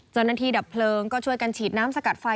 เจ้านาธิดับเพลิงก็ช่วยการฉีดน้ำสกัดไฟ